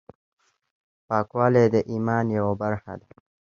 پاکوالی د ایمان یوه برخه ده.